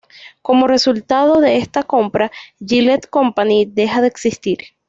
Como resultado de esta compra, Gillette Company deja de existir.